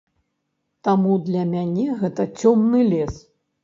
Таму для мяне гэта цёмны лес.